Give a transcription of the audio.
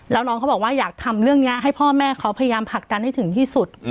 แล้วน้องเขาบอกว่าอยากทำเรื่องนี้ให้พ่อแม่เขาพยายามผลักดันให้ถึงที่สุด